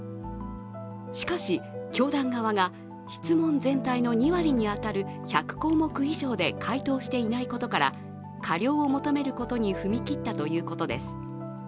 しかし、教団側が質問全体の２割に当たる１００項目以上で回答していないことから過料を求めることに踏み切ったということです